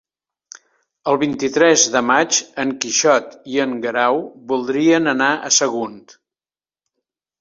El vint-i-tres de maig en Quixot i en Guerau voldrien anar a Sagunt.